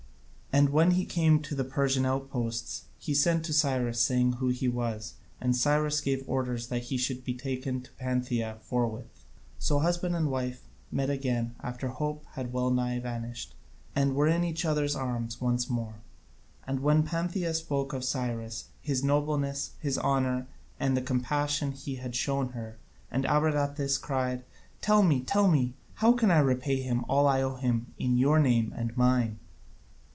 And when he came to the Persian outposts he sent to Cyrus saying who he was, and Cyrus gave orders that he should be taken to Pantheia forthwith. So husband and wife met again after hope had well nigh vanished, and were in each other's arms once more. And then Pantheia spoke of Cyrus, his nobleness, his honour, and the compassion he had shown her, and Abradatas cried: "Tell me, tell me, how can I repay him all I owe him in your name and mine!"